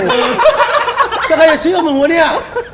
แล้วใครจะเชื่อมึงวะเนี่ย